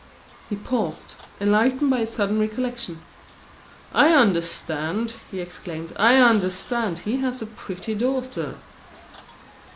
He paused, enlightened by a sudden recollection. "I understand!" he exclaimed; "I understand. He has a pretty daughter."